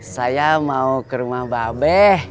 saya mau ke rumah babe